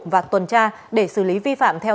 và tuần tra để xử lý vi phạm theo